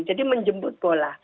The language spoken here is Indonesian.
jadi menjemput bola